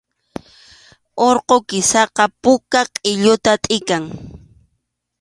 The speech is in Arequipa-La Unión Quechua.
Urqu kisaqa puka qʼilluta tʼikan